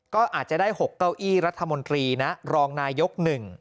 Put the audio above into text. ก็อาจจะได้๖เก้าอี้รัฐมนตรีนะรองนายก๑